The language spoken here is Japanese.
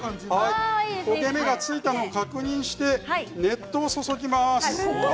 焦げ目がついたのを確認して熱湯を注ぎます。